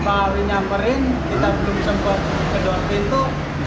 pak awi nyamperin kita belum sempat ke door pintu